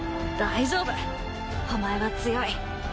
大丈夫お前は強い。